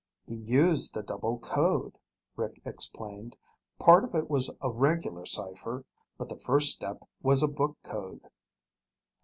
"He used a double code," Rick explained. "Part of it was a regular cipher, but the first step was a book code."